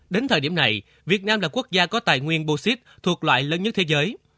đến thời điểm này việt nam là quốc gia có tài nguyên bosite thuộc loại lớn nhất thế giới